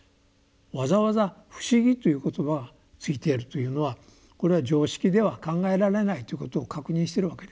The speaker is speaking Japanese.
わざわざ「不思議」という言葉がついているというのはこれは常識では考えられないということを確認しているわけですね。